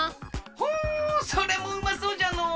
ほうそれもうまそうじゃのう。